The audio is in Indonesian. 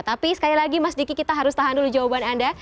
tapi sekali lagi mas diki kita harus tahan dulu jawaban anda